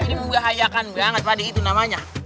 ini membahayakan banget tadi itu namanya